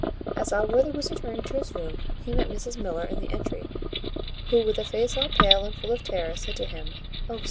As Allworthy was returning to his room he met Mrs Miller in the entry, who, with a face all pale and full of terror, said to him, "O!